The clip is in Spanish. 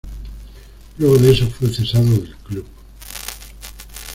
Luego de eso fue cesado del club.